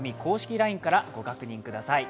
ＬＩＮＥからご確認ください。